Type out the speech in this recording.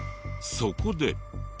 そこで。